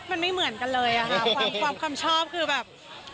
มันไม่เหมือนกันเลยอะค่ะความชอบคือแบบ